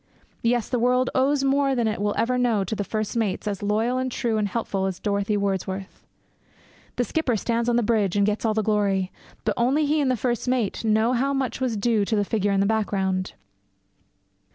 Yes, the world owes more than it will ever know to first mates as loyal and true and helpful as Dorothy Wordsworth. The skipper stands on the bridge and gets all the glory, but only he and the first mate know how much was due to the figure in the background.